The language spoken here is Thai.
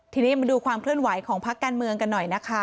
ทีนี้มาดูความเคลื่อนไหวของพักการเมืองกันหน่อยนะคะ